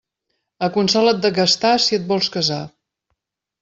Aconsola't de gastar si et vols casar.